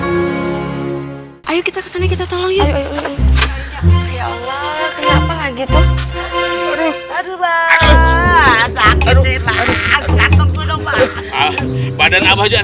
hai hai hai hai hai hai hai ayo kita kesana kita tolong yuk ya allah kenapa lagi tuh aduh